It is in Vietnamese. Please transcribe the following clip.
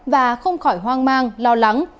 và không khỏi hoang mang lo lắng